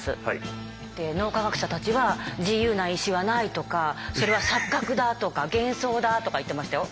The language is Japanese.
脳科学者たちは「自由な意志はない」とか「それは錯覚だ」とか「幻想だ」とか言ってましたよ。